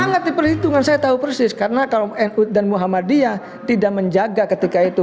sangat diperhitungkan saya tahu persis karena kalau nu dan muhammadiyah tidak menjaga ketika itu